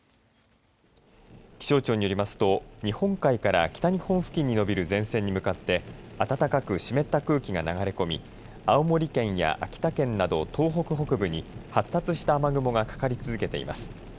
気象庁によりますと日本海から北日本付近に延びる前線に向かって暖かく湿った空気が流れ込み青森県や秋田県など東北北部に発達した雨雲がかかり続けています。